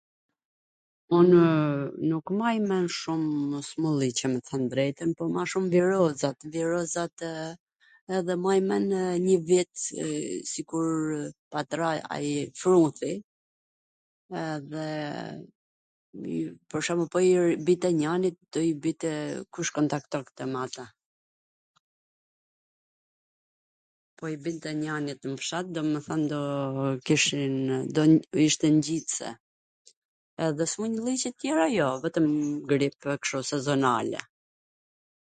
Unw nuk maj men shumw smundlliqe me thwn t drejtwn, po ma shum virozat, virozatw, edhe maj men njw vjet sikurw pat ra ai fruthi, edhe pwr shwmbull po i binte njanit do i binte kush kontaktonte me atw, po i binte njanit nw fshat, domethwn do kishin... do ishte ngjitse, edhe smundllwqe tw tjera jo, vetwm gripe kshtu sezonale,